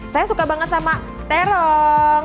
saya suka banget sama terong